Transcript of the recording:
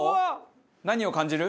何を感じる？